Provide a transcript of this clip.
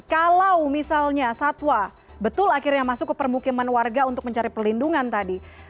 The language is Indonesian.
kalau misalnya satwa betul akhirnya masuk ke permukiman warga untuk mencari perlindungan tadi